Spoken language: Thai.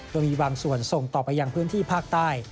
โดยมีบางส่วนส่งต่อไปยังพื้นที่ภาคใต้